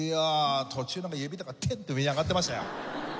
途中なんか指とかテンッて上に上がってましたよ。